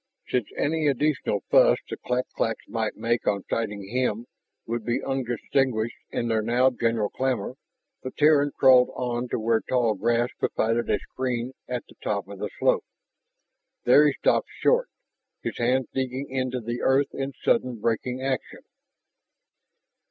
Since any additional fuss the clak claks might make on sighting him would be undistinguished in their now general clamor, the Terran crawled on to where tall grass provided a screen at the top of the slope. There he stopped short, his hands digging into the earth in sudden braking action.